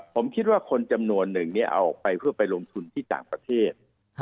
ผมคิดว่าคนจำนวนหนึ่งเอาออกไปเพื่อไปลงทุนที่ต่างประเทศ